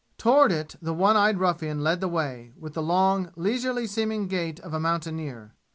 Toward it the one eyed ruffian led the way, with the long, leisurely seeming gait of a mountaineer.